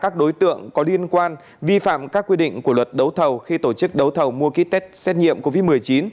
các đối tượng có liên quan vi phạm các quy định của luật đấu thầu khi tổ chức đấu thầu mua ký test xét nghiệm covid một mươi chín